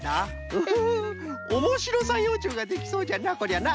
ウフフおもしろさんようちゅうができそうじゃなこりゃな。